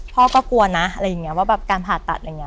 พ่อก็กลัวนะอะไรอย่างนี้ว่าแบบการผ่าตัดอะไรอย่างนี้